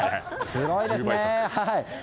すごいですね。